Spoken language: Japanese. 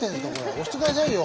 押してくださいよ。